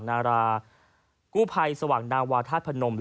กรูภัยทรวงพยาบาลนครพนม